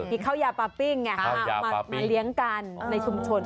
มีข้าวยาปาปิ้งไงคะครับข้าวยาปาปิ้งมาเลี้ยงกันในชุมชน